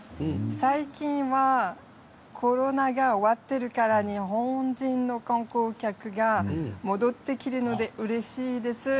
最近はコロナが終わっているから日本人の観光客が戻ってきているのでうれしいです。